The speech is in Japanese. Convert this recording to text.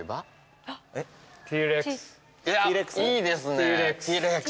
いやいいですね。